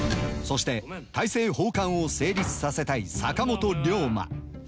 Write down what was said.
そして大政奉還を成立させたい坂本龍馬。